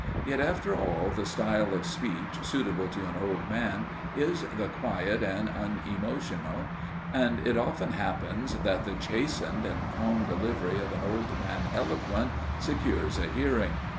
Yet after all the style of speech suitable to an old man is the quiet and unemotional, and it often happens that the chastened and calm delivery of an old man eloquent secures a hearing.